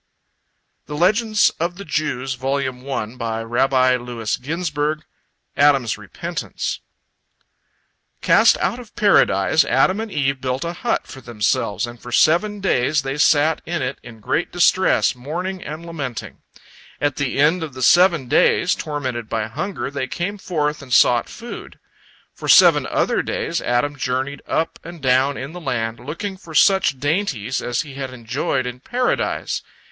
ADAM'S REPENTANCE Cast out of Paradise, Adam and Eve built a hut for themselves, and for seven days they sat in it in great distress, mourning and lamenting. At the end of the seven days, tormented by hunger, they came forth and sought food. For seven other days, Adam journeyed up and down in the land, looking for such dainties as he had enjoyed in Paradise.